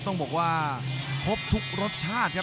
ต้องบอกว่าครบทุกรสชาติครับ